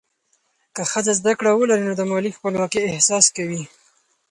که ښځه زده کړه ولري، نو د مالي خپلواکۍ احساس کوي.